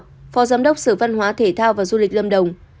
phó giám đốc sở văn hóa thể thao và du lịch lâm đồng